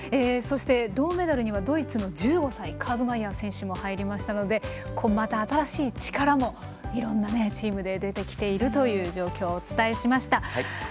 そして、銅メダルにはドイツの１５歳カーツマイヤー選手も入りましたのでまた新しい力もいろんなチームで出てきているという状況をお伝えしました。